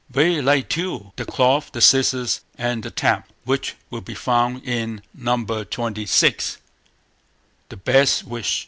Very like, too, the cloth, the scissors, and the tap, which will be found in No. xxxvi, "The Best Wish".